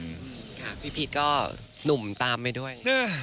ค่ะพี่พีชก็หนุ่มตามไปด้วย